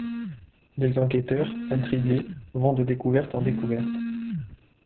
Les enquêteurs, intrigués, vont de découverte en découverte.